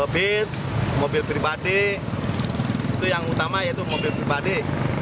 bis mobil pribadi itu yang utama yaitu mobil pribadi